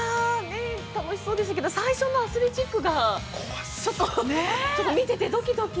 ◆楽しそうでしたけど最初のアスレチックがちょっと、見ていて、どきどき。